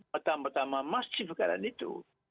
pertama tama masih keadaan itu